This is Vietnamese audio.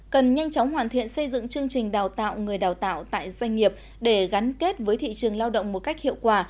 cần nhanh chóng hoàn thiện xây dựng chương trình đào tạo người đào tạo tại doanh nghiệp để gắn kết với thị trường lao động một cách hiệu quả